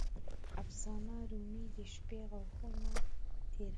افسانه: روې د شپې غاښونه تېرول.